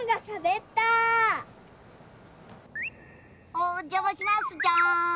おっじゃましますじゃーん。